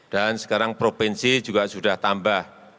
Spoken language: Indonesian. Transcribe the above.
dan sekarang provinsi juga sudah tambah